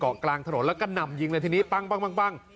กลางถนนแล้วก็นำยิงเลยทีนี้ปั้ง